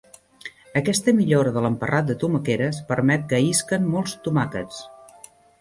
Aquesta millora de l'emparrat de tomaqueres permet que isquen molts tomàquets.